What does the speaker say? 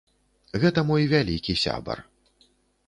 Гэта мой вялікі сябар.